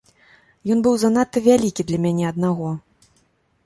Ён быў занадта вялікі для мяне аднаго.